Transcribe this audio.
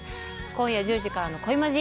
今夜１０時からの「恋マジ」